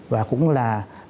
và cũng là